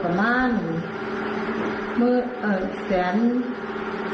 โทษใจ